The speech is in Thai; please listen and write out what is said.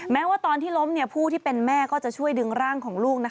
แม้ว่าตอนที่ล้มผู้ที่เป็นแม่ก็จะช่วยดึงร่างของลูก